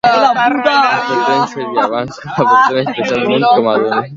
Ens permet ser i avançar com a persones, especialment com a dones.